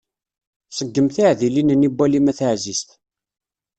Seggem tiɛdilin-nni n walim a taɛzizt.